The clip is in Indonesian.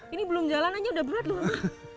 ini belum jalan aja udah berat lho mbak